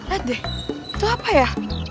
aduh itu apa ya